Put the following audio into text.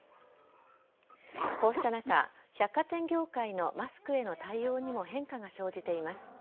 こうした中百貨店業界のマスクへの対応にも変化が生じています。